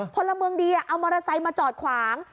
คนละเมืองดีเอามอราไซด์มาจอดขวาง